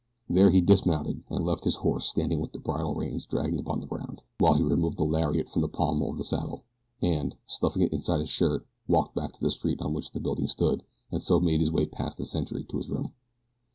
There he dismounted and left his horse standing with the bridle reins dragging upon the ground, while he removed the lariat from the pommel of the saddle, and, stuffing it inside his shirt, walked back to the street on which the building stood, and so made his way past the sentry and to his room.